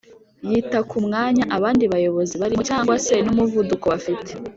yita kumwanya abandi bayobozi barimo cg se n' umuvuduko bafite